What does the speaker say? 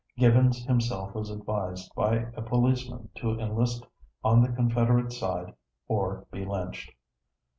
Gibbons himself was advised by a policeman to enlist on the Confederate side or be lynched.